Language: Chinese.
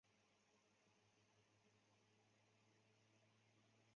而后面的骏景路路口曾为本站的落客站。